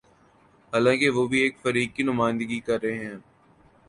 حالانکہ وہ بھی ایک فریق کی نمائندگی کر رہے ہیں۔